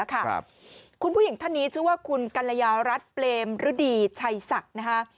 คุณผู้หญิงท่านนี้ชื่อว่าคุณกัลยารัฐเปรมฤดีชัยศักดิ์นะคะ